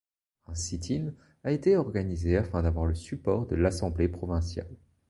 Un sit-in a été organisé afin d'avoir le support de l'assemblée provinciale.